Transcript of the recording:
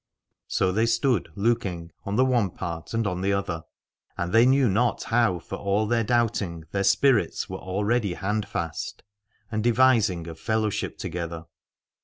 So they stood looking, on the one part and on the other: and they knew not how •for all their doubting their spirits were already handfast, and devising of fellowship together.